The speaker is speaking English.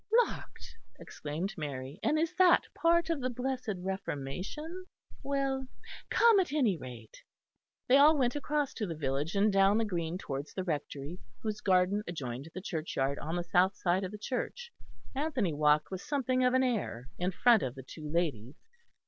"Locked!" exclaimed Mary, "and is that part of the blessed Reformation? Well, come, at any rate." They all went across to the village and down the green towards the Rectory, whose garden adjoined the churchyard on the south side of the church. Anthony walked with something of an air in front of the two ladies.